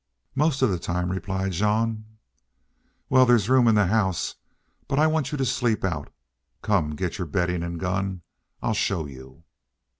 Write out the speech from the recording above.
"Most of the time," replied Jean. "Wal, there's room in the house, but I want you to sleep out. Come get your beddin' an' gun. I'll show you."